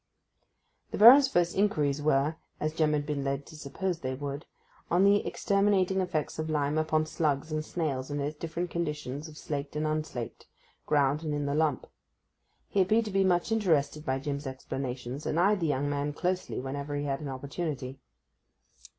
The Baron's first inquiries were, as Jim had been led to suppose they would be, on the exterminating effects of lime upon slugs and snails in its different conditions of slaked and unslaked, ground and in the lump. He appeared to be much interested by Jim's explanations, and eyed the young man closely whenever he had an opportunity.